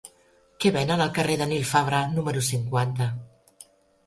Què venen al carrer de Nil Fabra número cinquanta?